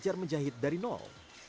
belajar menjahit dari nol